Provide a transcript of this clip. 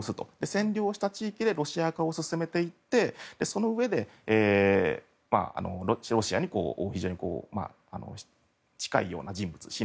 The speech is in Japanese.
占領した地域でロシア化を進めていってそのうえでロシアに近いような人物親